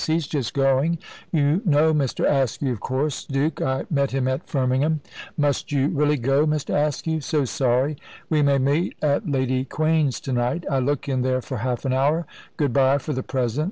"He's just going. You know Mr. Askew, of course, Duke. I met him at Firmingham. Must you really go, Mr. Askew? So sorry! We may meet at Lady Quain's to night I look in there for half an hour. Good bye for the present.